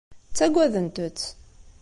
Ttagadent-tt.